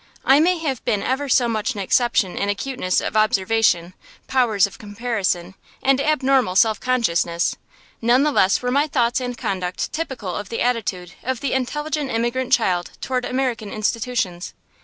I may have been ever so much an exception in acuteness of observation, powers of comparison, and abnormal self consciousness; none the less were my thoughts and conduct typical of the attitude of the intelligent immigrant child toward American institutions.